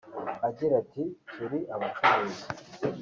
Agira ati “Turi abacuruzi